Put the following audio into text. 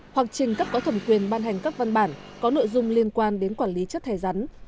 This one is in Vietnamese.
hoặc trình cấp có thẩm quyền ban hành các văn bản có nội dung liên quan đến quản lý chất thải rắn